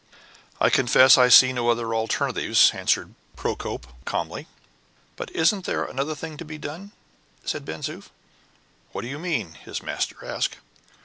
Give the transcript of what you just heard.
"I confess I see no other alternative," answered Procope, calmly. "But isn't there another thing to be done?" said Ben Zoof. "What do you mean?" his master asked.